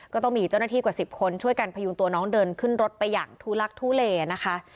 ก็ต้องมีเจ้าหน้าที่กว่า๑๐คนช่วยกันพยุงตัวน้องเดินขึ้นรถไปอย่างทุลักทุเลนะคะ